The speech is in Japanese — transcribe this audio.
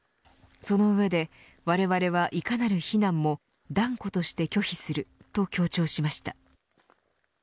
その上でわれわれはいかなる非難も断固として拒否すると強調しました。